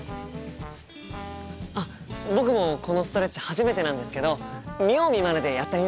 あっ僕もこのストレッチ初めてなんですけど見よう見まねでやってみます。